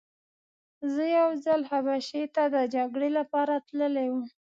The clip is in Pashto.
زه یو ځل حبشې ته د جګړې لپاره تللی وم.